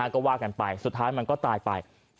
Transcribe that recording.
ก็ว่ากันไปสุดท้ายมันก็ตายไป